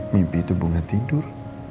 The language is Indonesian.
mimpi itu bunga tidur